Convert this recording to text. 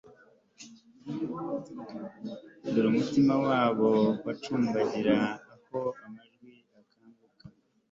Dore umutima wabo wacumbagira aho amajwi akanguka